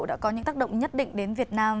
đã có những tác động nhất định đến việt nam